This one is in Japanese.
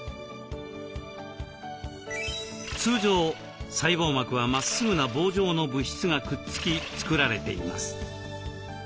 通常細胞膜はまっすぐな棒状の物質がくっつき作られています。